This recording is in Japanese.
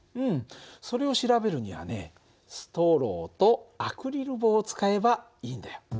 それを調べるにはねストローとアクリル棒を使えばいいんだよ。